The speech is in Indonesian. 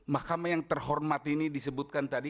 mahkamah yang terhormat ini disebutkan tadi